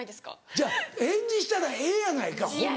違う返事したらええやないかホンマに。